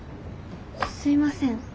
すいません。